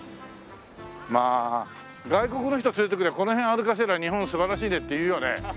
まあ外国の人連れてこの辺歩かせれば「日本素晴らしいね」って言うよね？